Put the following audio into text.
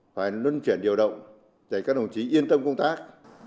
phải luân chuyển điều động để các đồng chí yên tâm công tác